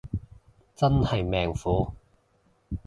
真係命苦